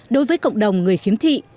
đối với cộng đồng người khiếm thị